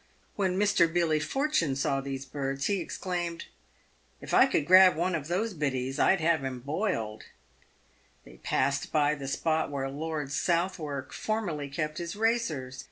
When Mr. Billy Fortune saw these birds, he exclaimed, " If I could grab one of those * biddies/ I'd have him boiled." They passed by the spot where Lord Southwark formerly kept his racers.